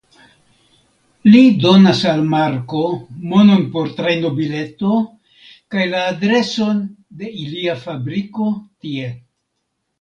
Li donas al Marko monon por trajnobileto kaj la adreson de ilia fabriko tie.